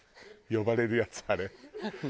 呼ばれるやつあれ。